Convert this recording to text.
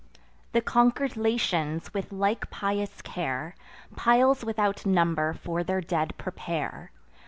The conquer'd Latians, with like pious care, Piles without number for their dead prepare.